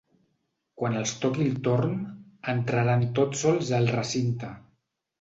Quan els toqui el torn, entraran tots sols al recinte.